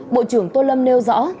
bộ trưởng tô lâm nêu rõ